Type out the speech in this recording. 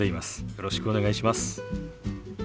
よろしくお願いします。